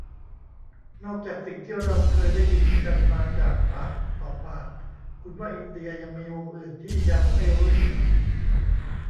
นอกจากสิ่งที่เราเคยได้ยินกันมาจากปากต่อปาก คุณว่า อินเดีย ยังมีมุมอื่นที่ยังไม่รู้อีกไหม ?